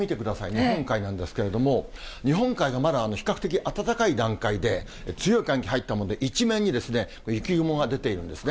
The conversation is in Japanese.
日本海なんですけれども、日本海がまだ比較的暖かい段階で、強い寒気入ったもんで、一面に雪雲が出ているんですね。